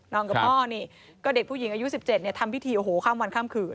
กับพ่อนี่ก็เด็กผู้หญิงอายุ๑๗ทำพิธีโอ้โหข้ามวันข้ามคืน